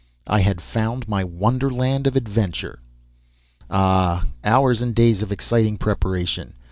I had found my wonderland of adventure! Ah, hours and days of exciting preparation!